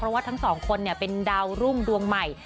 เพราะว่าทั้งสองคนเป็นดาวรุ่งดวงใหม่